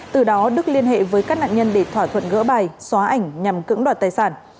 từ đó đức liên hệ với các nạn nhân để thỏa thuận gỡ bài xóa ảnh nhằm cưỡng đoạt tài sản